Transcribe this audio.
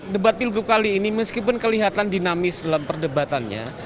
debat pilgub kali ini meskipun kelihatan dinamis dalam perdebatannya